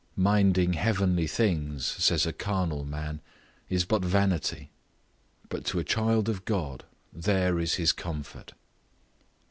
Minding heavenly things, says a carnal man, is but vanity; but to a child of God, there is his comfort.